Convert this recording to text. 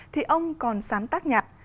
thì ông còn sáng tác nhạc